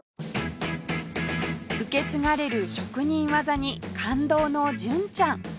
受け継がれる職人技に感動の純ちゃん